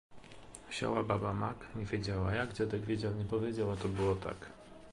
When playing a single timbre the keyboard has four-voice polyphony.